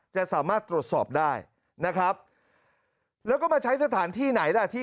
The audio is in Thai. จะสามารถตรวจสอบได้นะครับแล้วก็มาใช้สถานที่ไหนล่ะที่